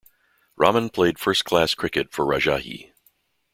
Rahman played first-class cricket for Rajshahi.